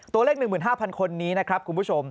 ตัวเลข๑๕๐๐๐คนนี้คุณผู้ชม